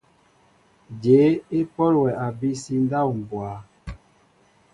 Jyéé e pɔl wɛ abisi ndáw mbwa ?